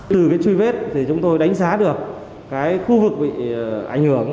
từ truy vết thì chúng tôi đánh giá được khu vực bị ảnh hưởng